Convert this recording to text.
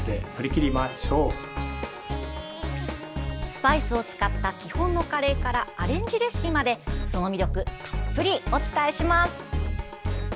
スパイスを使った基本のカレーからアレンジレシピまでその魅力、たっぷりお伝えします。